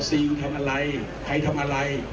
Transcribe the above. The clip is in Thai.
ซิงทำอะไรใครทำอะไร